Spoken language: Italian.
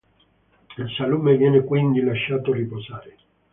Il salume viene quindi lasciato riposare.